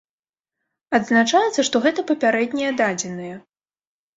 Адзначаецца, што гэта папярэднія дадзеныя.